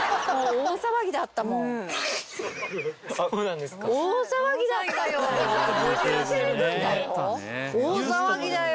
「大騒ぎだよ」